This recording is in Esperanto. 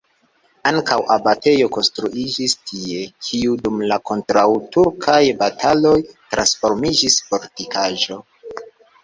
Ankaŭ abatejo konstruiĝis tie, kiu dum la kontraŭturkaj bataloj transformiĝis fortikaĵo.